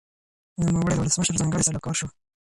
نوموړي د ولسمشر ځانګړی سلاکار شو.